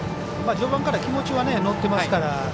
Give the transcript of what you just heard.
序盤から気持ちは乗ってますから。